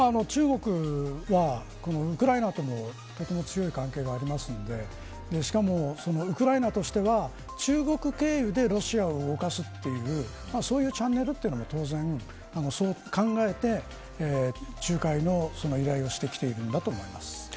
中国は、ウクライナとも強い関係があるのでしかもウクライナとしては中国経由でロシアを動かすというそういうチャンネルも当然考えて仲介の依頼をしてきているんだと思います。